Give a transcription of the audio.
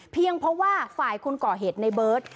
เพียงเพราะว่าฝ่ายคุณก่อเหตุในบฏ